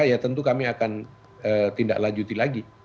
ya tentu kami akan tindak lanjuti lagi